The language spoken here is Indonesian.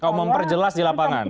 kalau memperjelas di lapangan